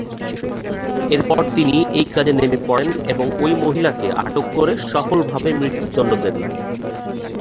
এরপর তিনি এই কাজে নেমে পড়েন এবং ঐ মহিলাকে আটক করে সফলভাবে মৃত্যুদন্ড দেন।